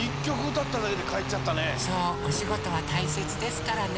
おしごとはたいせつですからね。